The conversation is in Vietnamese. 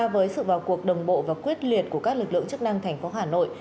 với sự vào cuộc đồng bộ và quyết liệt của các lực lượng chức năng thành phố hà nội